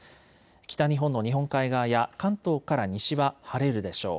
北日本の日本海側や関東から西は晴れるでしょう。